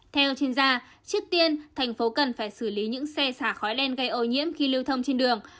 theo chuyên gia trước tiên thành phố cần phải xử lý những xe xả khói đen gây ô nhiễm khi lưu thông trên đường